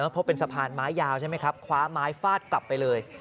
เพราะเป็นสะพานไม้ยาวใช่ไหมครับคว้าไม้ฟาดกลับไปเลย